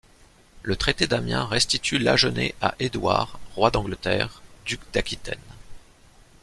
Le traité d'Amiens restitue l'Agenais à Édouard, roi d'Angleterre, duc d'Aquitaine.